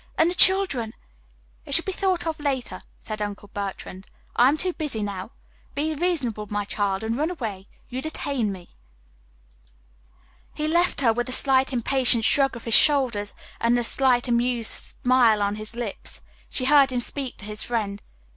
And the children " "It shall be thought of later," said Uncle Bertrand. "I am too busy now. Be reasonable, my child, and run away. You detain me." He left her with a slight impatient shrug of his shoulders and the slight amused smile on his lips. She heard him speak to his friend.